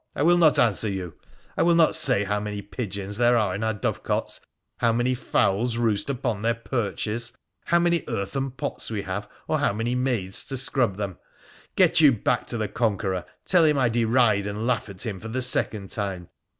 I will not answer you ! I will not say how many pigeons there are in our dovecotes— how many fowls roost upon their perches — how many earthen pots we have, or how many maids to scrub them ! Get you back to the Conqueror : tell him I deride and laugh at him for the second time.